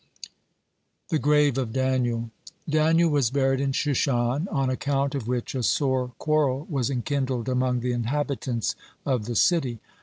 (19) THE GRAVE OF DANIEL Daniel was buried in Shushan, on account of which a sore quarrel was enkindled among the inhabitants of the city.